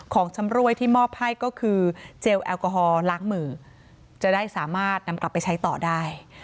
ชำรวยที่มอบให้ก็คือเจลแอลกอฮอลล้างมือจะได้สามารถนำกลับไปใช้ต่อได้